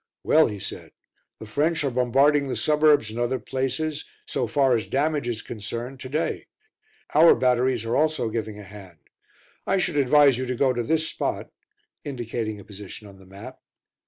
"Well," he said, "the French are bombarding the suburbs and other places, so far as damage is concerned, to day; our batteries are also giving a hand. I should advise you to go to this spot" indicating a position on the map.